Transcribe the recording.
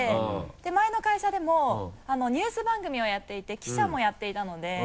前の会社でもニュース番組をやっていて記者もやっていたので。